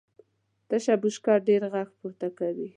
تشه بشکه ډېر غږ پورته کوي .